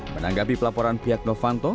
menanggapi pelaporan pihak novanto